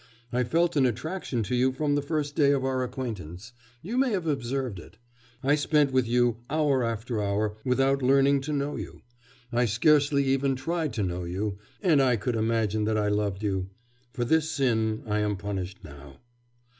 I felt an attraction to you from the first day of our acquaintance; you may have observed it. I spent with you hour after hour without learning to know you; I scarcely even tried to know you and I could imagine that I loved you! For this sin I am punished now.